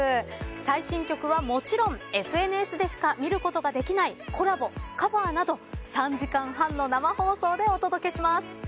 最新曲はもちろん『ＦＮＳ』でしか見ることができないコラボカバーなど３時間半の生放送でお届けします。